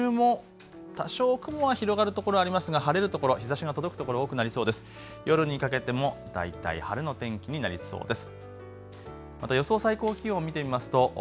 日中も多少雲は広がるところありますが晴れる所、日ざしの届く所多くなりそうです。